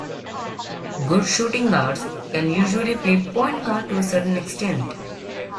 Good shooting guards can usually play point guard to a certain extent.